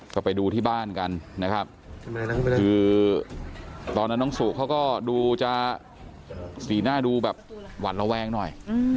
ก็ไปดูที่บ้านกันนะครับคือตอนนั้นน้องสุเขาก็ดูจะสีหน้าดูแบบหวัดระแวงหน่อย